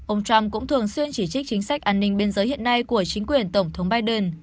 ông trump cũng thường xuyên chỉ trích chính sách an ninh biên giới hiện nay của chính quyền tổng thống biden